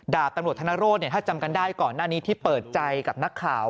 ดาบตำรวจธนโรธถ้าจำกันได้ก่อนหน้านี้ที่เปิดใจกับนักข่าว